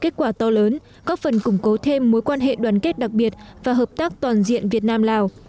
kết quả to lớn góp phần củng cố thêm mối quan hệ đoàn kết đặc biệt và hợp tác toàn diện việt nam lào